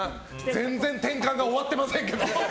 全然、転換が終わってませんけど。